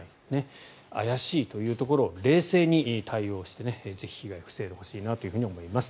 怪しいというところを冷静に対応してぜひ被害を防いでほしいなと思います。